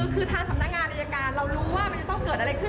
คือทางสำนักงานอายการเรารู้ว่ามันจะต้องเกิดอะไรขึ้น